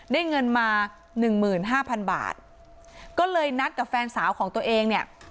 เงินมาหนึ่งหมื่นห้าพันบาทก็เลยนัดกับแฟนสาวของตัวเองเนี่ย